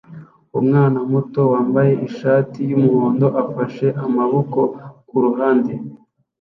Umwana muto wambaye ishati yumuhondo afashe amaboko kuruhande